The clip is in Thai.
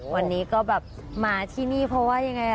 วันนี้ก็แบบมาที่นี่เพราะว่ายังไง